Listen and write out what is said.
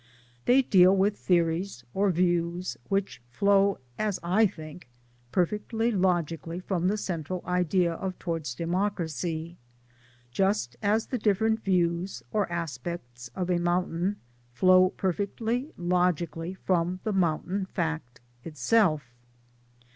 They deal with theories or views which flow (as I think) perfectly logically from the central idea of Towards Democracy just as the different views or aspects of a mountain flow perfectly logically from the mountain fact itself.